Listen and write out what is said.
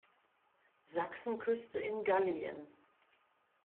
Sachsenküste in Gallien.